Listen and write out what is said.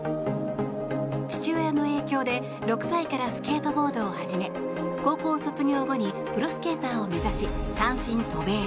父親の影響で６歳からスケートボードを始め高校卒業後にプロスケーターを目指し単身渡米。